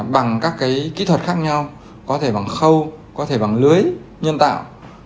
bằng các kỹ thuật khác nhau có thể bằng khâu có thể bằng lưới nhân tạo